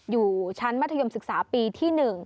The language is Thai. อยู่ชั้นมัธยมศึกษาปีที่๑